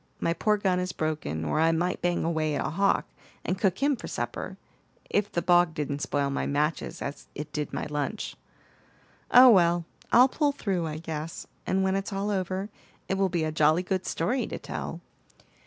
My poor gun is broken, or I might bang away at a hawk, and cook him for supper, if the bog didn't spoil my matches as it did my lunch. Oh, well! I'll pull through, I guess, and when it's all over, it will be a jolly good story to tell."